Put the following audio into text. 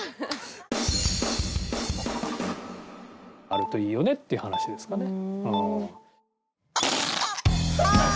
あるといいよねっていう話ですかね。